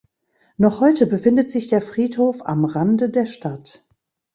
Noch heute befindet sich der Friedhof am Rande der Stadt.